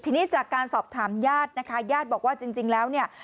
ทีนี้จากการสอบถามญาตินะคะญาติบอกว่าจริงแล้วเนี่ย